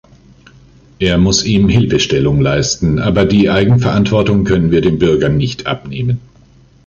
Er muss ihm Hilfestellung leisten, aber die Eigenverantwortung können wir dem Bürger nicht abnehmen.